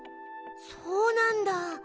そうなんだ。